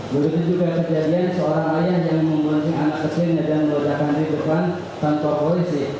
begitu juga kejadian seorang ayah yang memuji anak kecil yang berada di depan tanpa polisi